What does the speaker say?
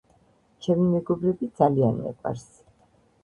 ჩემი მეგობრები ძალიან მიყვარს